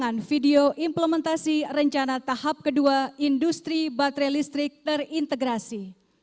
dengan video implementasi rencana tahap kedua industri baterai listrik terintegrasi